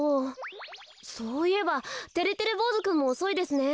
そういえばてれてれぼうずくんもおそいですね。